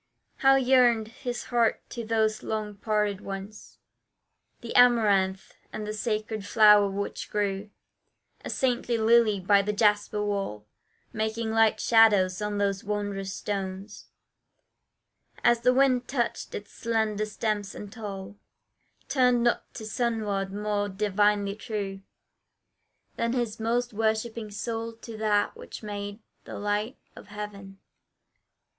How yearned his heart to those long parted ones The amaranth, and the sacred flower which grew A saintly lily by the jasper wall, Making light shadows on those wondrous stones, As the wind touched its slender stems and tall, Turned not to sunward more divinely true, Than his most worshipping soul to that which made The light of heaven.